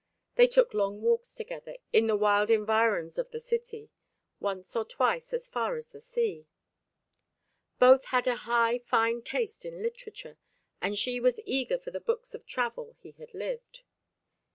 They took long walks together in the wild environs of the city, once or twice as far as the sea. Both had a high fine taste in literature, and she was eager for the books of travel he had lived.